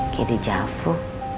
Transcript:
kayak di jaffa